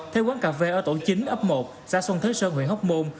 theo quán cà phê ở tổ chính ấp một xã xuân thới sơn huyện hóc môn